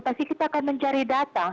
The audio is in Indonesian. pasti kita akan mencari data